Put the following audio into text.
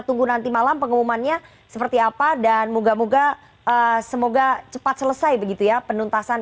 tunggu nanti malam pengumumannya seperti apa dan moga moga semoga cepat selesai begitu ya penuntasan